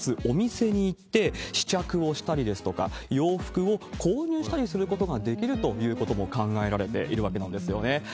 お店に行って、試着をしたりですとか洋服を購入したりすることができるということも考えられているわけなんですよね。